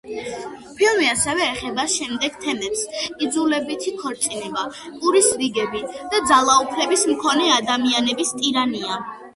ფილმი ასევე ეხება შემდეგ თემებს: იძულებითი ქორწინება, პურის რიგები და ძალაუფლების მქონე ადამიანების ტირანია.